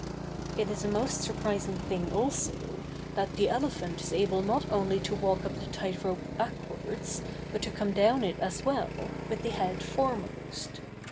It is a most surprising thing also, that the elephant is able not only to walk up the tight rope backwards, but to come down it as well, with the head foremost.